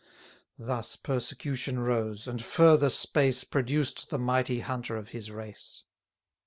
Thus persecution rose, and further space Produced the mighty hunter of his race.